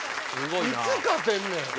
いつ勝てんねん。